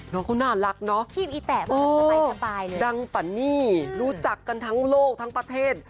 น้องเขาน่ารักเนอะดังปันนี่รู้จักกันทั้งโลกทั้งประเทศ